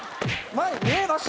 前見えます？